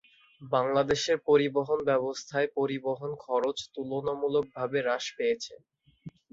বাংলাদেশের পরিবহন ব্যবস্থায় পরিবহন খরচ তুলনামূলক ভাবে হ্রাস পেয়েছে।